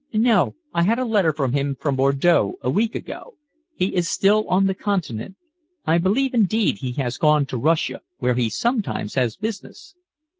"No. I had a letter from him from Bordeaux a week ago. He is still on the Continent. I believe, indeed, he has gone to Russia, where he sometimes has business."